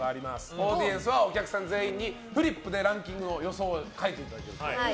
オーディエンスはお客さん全員にフリップで回答の予想を書いていただくと。